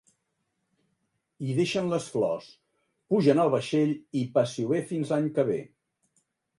Hi deixen les flors, pugen al vaixell i passi-ho bé fins l'any que ve.